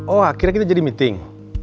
oh akhirnya kita jadi meeting